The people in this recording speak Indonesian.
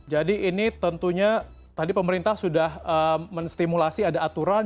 jadi ini tentunya tadi pemerintah sudah menstimulasi ada aturan